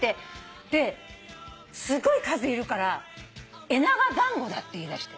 ですごい数いるから「エナガ団子だ」って言いだして。